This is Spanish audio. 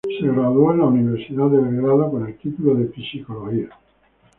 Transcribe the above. Se graduó en la Universidad de Belgrado con el título en psicología.